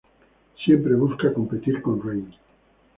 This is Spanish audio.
Siempre busca competir con Rain.